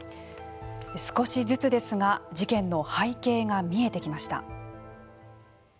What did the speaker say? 少しずつですが事件の背景が見えてきました。